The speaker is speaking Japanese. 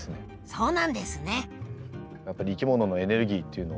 そうなんですね。